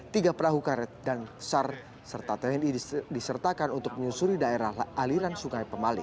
tiga perahu karet dan sar serta tni disertakan untuk menyusuri daerah aliran sungai pemali